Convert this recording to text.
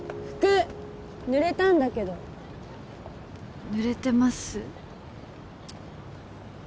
服濡れたんだけど濡れてます？